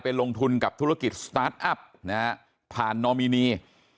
ไปลงทุนกับธุรกิจสตาร์ทอัพผ่านโนมินี